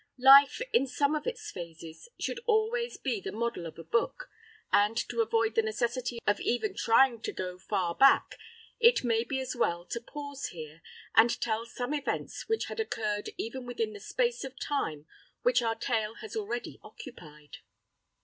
Life, in some of its phases, should always be the model of a book, and to avoid the necessity of even trying to go far back, it may be as well to pause here, and tell some events which had occurred even within the space of time which our tale has already occupied.